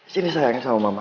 sini saya pengen sama mama